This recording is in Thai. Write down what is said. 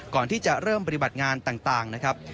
ก่อนที่จะเริ่มปฏิบัติงานต่างนะครับ